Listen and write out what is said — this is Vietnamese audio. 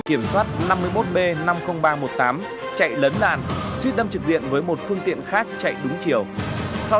kiểm soát năm mươi một b năm mươi nghìn ba trăm một mươi tám chạy lấn làn suýt đâm trực diện với một phương tiện khác chạy đúng chiều sau